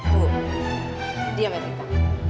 bu diam ya